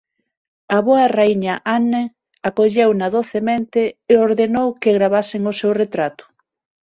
A boa raíña Anne acolleuna docemente e ordenou que gravasen o seu retrato.